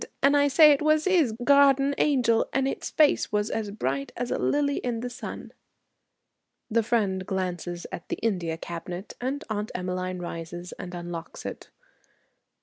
And I say it was 'is garden angel, and its face was as bright as a lily in the sun."' The friend glances at the India cabinet, and Aunt Emmeline rises and unlocks it.